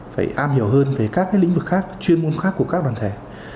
phải am hiểu hơn về các lĩnh vực khác chuyên môn khác của các đoàn thể